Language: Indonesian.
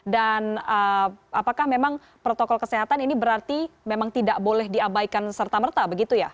dan apakah memang protokol kesehatan ini berarti memang tidak boleh diabaikan serta merta begitu ya